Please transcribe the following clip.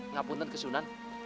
ngapun tan ke sunan